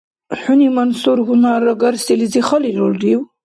ХӀуни Мансур гьунарагарсилизи халирулрив?